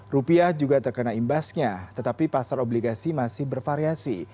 rupiah juga terkena imbasnya tetapi pasar obligasi masih bervariasi